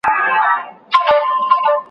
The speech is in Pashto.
مطالعه انسان له تيارو څخه رڼا ته راوباسي.